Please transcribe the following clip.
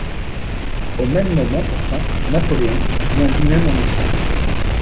Au même moment, pourtant, Napoléon vient lui-même en Espagne.